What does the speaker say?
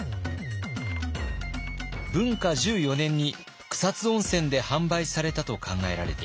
文化１４年に草津温泉で販売されたと考えられています。